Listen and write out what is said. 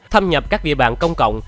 thâm nhập các địa bàn công cộng